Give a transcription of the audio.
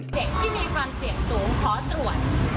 ที่มีความเสี่ยงสูงขอตรวจ